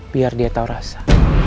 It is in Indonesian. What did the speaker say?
biar dia tahu rasa